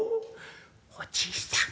「おじいさん